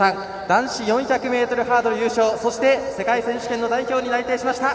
男子４００ｍハードル優勝そして世界選手権の代表に内定しました。